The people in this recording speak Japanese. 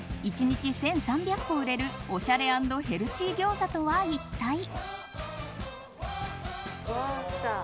１日１３００個売れるおしゃれ＆ヘルシーギョーザとは一体？